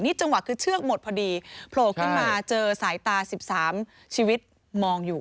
จังหวะคือเชือกหมดพอดีโผล่ขึ้นมาเจอสายตา๑๓ชีวิตมองอยู่